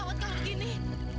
sedang ada acara di desa sebelah